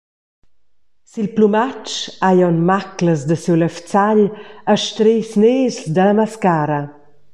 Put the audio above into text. Sil plumatsch ha ei aunc maclas da siu levzagl e strehs ners dalla mascara.